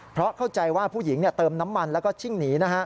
เพราะเข้าใจว่าผู้หญิงเติมน้ำมันแล้วก็ชิ่งหนี